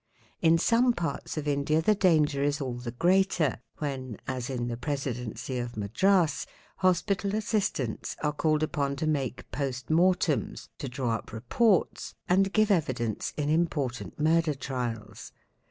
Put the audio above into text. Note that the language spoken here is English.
In some parts of India the danger is all the greater, when, as in the Presidency of Madras, hospital assistants are INTRODUCTION XX1li salled upon to make post mortems, to draw up reports, and give evidence in important murder trials.